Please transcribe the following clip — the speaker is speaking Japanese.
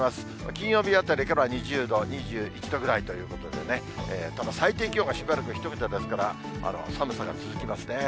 金曜日あたりから２０度、２１度ぐらいということでね、ただ最低気温がしばらく１桁ですから、寒さが続きますね。